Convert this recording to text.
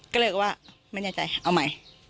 ก็เลยบอกว่าไม่แน่ใจเอาใหม่